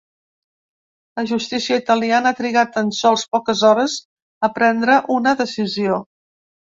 La justícia italiana ha trigat tan sols poques hores a prendre una decisió.